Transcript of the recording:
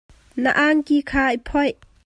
Na angki kha i phoih.